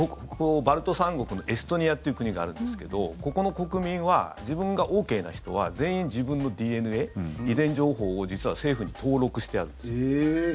バルト三国のエストニアという国があるんですけどここの国民は自分がＯＫな人は全員、自分のＤＮＡ、遺伝情報を実は政府に登録してあるんです。